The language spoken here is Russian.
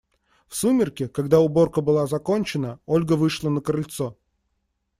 В сумерки, когда уборка была закончена, Ольга вышла на крыльцо.